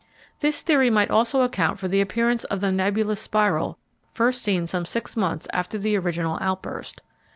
This theory might also account for the appearance of the nebulous spiral first seen some six months after the original outburst.